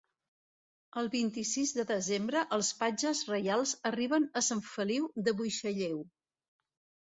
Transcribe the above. El vint-i-sis de desembre els patges reials arriben a Sant Feliu de Buixalleu.